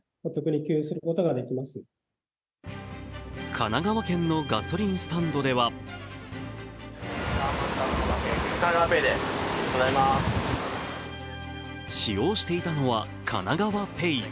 神奈川県のガソリンスタンドでは使用していたのは、かながわＰａｙ。